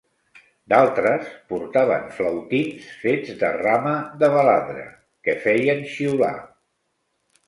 D'altres portaven flautins fets de rama de baladre, que feien xiular.